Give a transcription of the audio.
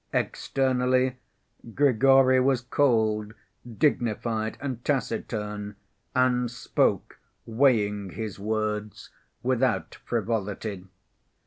Externally, Grigory was cold, dignified and taciturn, and spoke, weighing his words, without frivolity.